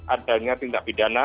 adanya tindak pidana